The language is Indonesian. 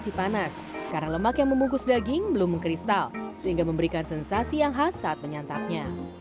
sate buntel ini harus disantap ketika masih panas karena lemak yang membungkus daging belum mengkristal sehingga memberikan sensasi yang khas saat menyantapnya